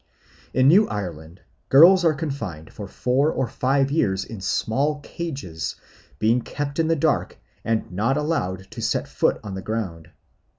In New Ireland girls are confined for four or five years in small cages, being kept in the dark and not allowed to set foot on the ground.